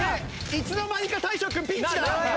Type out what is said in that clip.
いつの間にか大昇君ピンチだ！